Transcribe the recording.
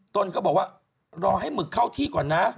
ตนก็บอกว่ารอให้หมึกเข้าที่ก่อนนะ